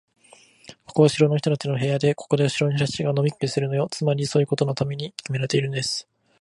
ここは城の人たちの部屋で、ここで城の人たちが飲み食いするのよ。つまり、そういうことのためにきめられているんです。